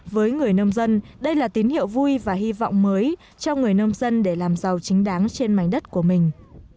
với người nông dân đây là tín hiệu vui và hy vọng mới cho người nông dân để làm giàu chính đáng trên mảnh đất của mình